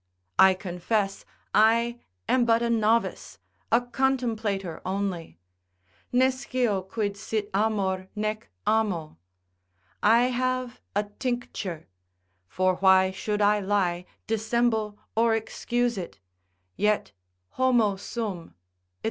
I confess I am but a novice, a contemplator only, Nescio quid sit amor nec amo—I have a tincture; for why should I lie, dissemble or excuse it, yet homo sum, &c.